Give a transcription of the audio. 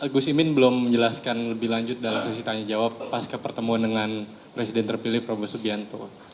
gus imin belum menjelaskan lebih lanjut dalam posisi tanya jawab pas ke pertemuan dengan presiden terpilih prabowo subianto